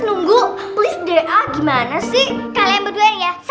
nunggu gimana sih kalian berduanya dua belas